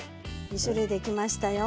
２種類できましたよ。